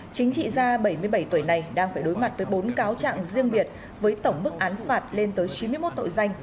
chính trị gia bảy mươi bảy tuổi này đang phải đối mặt với bốn cáo trạng riêng biệt với tổng mức án phạt lên tới chín mươi một tội danh